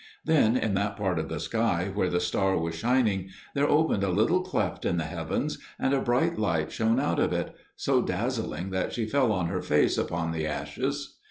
Then, in that part of the sky where the star was shining, there opened a little cleft in the heavens, and a bright light shone out of it: so dazzling that she fell on her face upon the ashes.